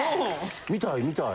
見たい見たい。